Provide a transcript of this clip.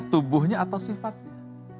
tubuhnya atau sifatnya